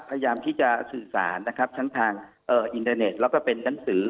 พยายามที่จะสื่อสารนะครับทั้งทางอินเทอร์เน็ตแล้วก็เป็นหนังสือ